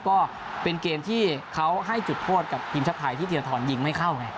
ก็เป็นเกมที่เค้าให้จุดโพธิกับทีมชาติไทยที่เดี๋ยวถอนยิงไม่เข้าไง